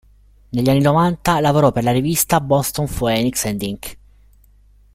Negli anni novanta, lavorò per la rivista Boston Phoenix and Inc.